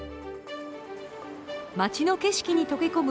町の景色に溶け込む